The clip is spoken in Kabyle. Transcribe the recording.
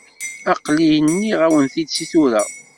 Aql-i nniɣ-awen-t-id si tura.